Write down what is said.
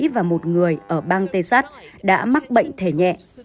và một người ở bang texas đã mắc bệnh thể nhẹ